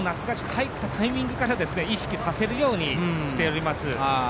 合宿入ったタイミングから意識させるようにしています。